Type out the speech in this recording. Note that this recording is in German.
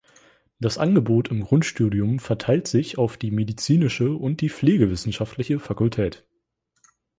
Das Angebot im Grundstudium verteilt sich auf die medizinische und die pflegewissenschaftliche Fakultät.